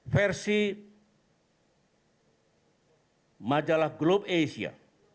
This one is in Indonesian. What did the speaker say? versi majalah globe asia